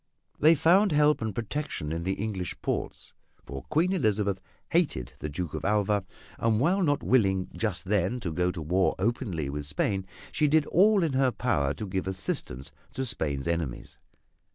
They found help and protection in the English ports, for Queen Elizabeth hated the Duke of Alva, and while not willing just then to go to war openly with Spain, she did all in her power to give assistance to Spain's enemies.